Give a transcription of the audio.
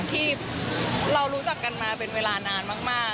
ที่เรารู้จักกันมาเป็นเวลานานมาก